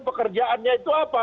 pekerjaannya itu apa